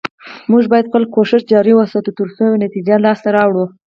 موږ باید خپل کوشش جاري وساتو، تر څو یوه نتیجه لاسته راوړو